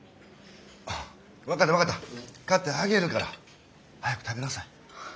分かった分かった買ってあげるから。早く食べなさい。